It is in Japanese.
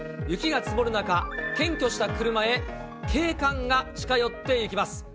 雪が積もる中、検挙した車へ警官が近寄っていきます。